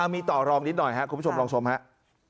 มีต่อรองนิดหน่อยครับคุณผู้ชมลองชมครับ